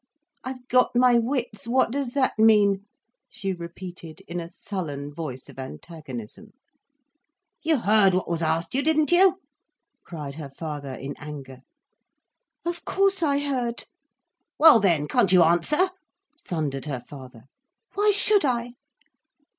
"I've got my wits, what does that mean?" she repeated, in a sullen voice of antagonism. "You heard what was asked you, didn't you?" cried her father in anger. "Of course I heard." "Well then, can't you answer?" thundered her father. "Why should I?"